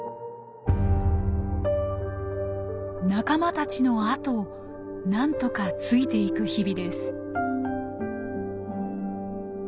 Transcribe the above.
仲間たちのあとを何とかついていく日々です。